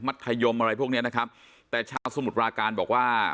ธยมอะไรพวกเนี้ยนะครับแต่ชาวสมุทรปราการบอกว่า